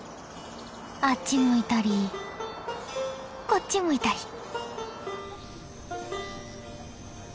あっち向いたりこっち向いたり。